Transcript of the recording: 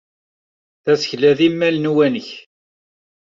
Tasekla d imal n uwanak.